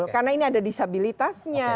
karena ini ada disabilitasnya